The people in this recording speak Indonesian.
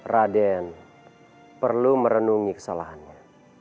raden perlu merenungi kesalahannya